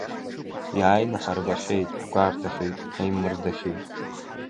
Иааины ҳарбахьеит, ҳгәарҭахьеит, ҳаимырдахьеит…